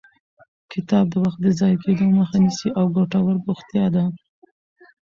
کتاب د وخت د ضایع کېدو مخه نیسي او ګټور بوختیا ده.